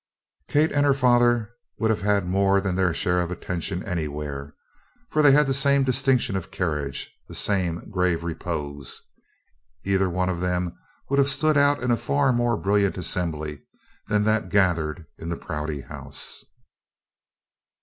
Kate and her father would have had more than their share of attention anywhere, for they had the same distinction of carriage, the same grave repose. Either one of them would have stood out in a far more brilliant assembly than that gathered in the Prouty House.